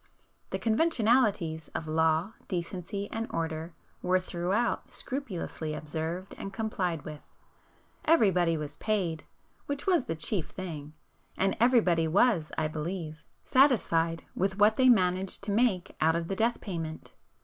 The conventionalities of law, decency and order were throughout scrupulously observed and complied with,—everybody was paid (which was the chief thing), and everybody was, I believe, satisfied with what they managed to make out of the death payment.